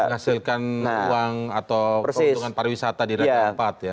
menghasilkan uang atau keuntungan pariwisata di ranking empat ya